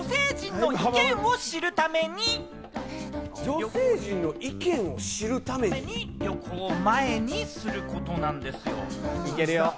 女性陣の意見を知るために、旅行前にすることなんですよ。